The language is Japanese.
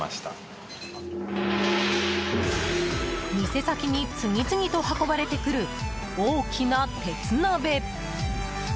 店先に次々と運ばれてくる大きな鉄鍋。